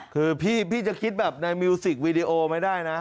คือพี่จะคิดแบบในมิวสิกวีดีโอไม่ได้นะ